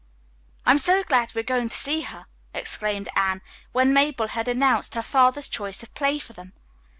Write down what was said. "I am so glad we are going to see her!" exclaimed Anne, when Mabel had announced her father's choice of play for them.